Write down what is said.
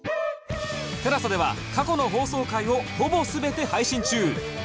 ＴＥＬＡＳＡ では過去の放送回をほぼ全て配信中